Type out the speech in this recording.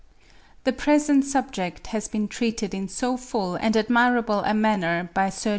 The present subject has been treated in so full and admirable a manner by Sir J.